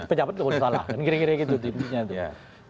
penjabat itu boleh salah kira kira gitu intinya